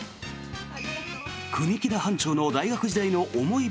国木田班長の大学時代の思い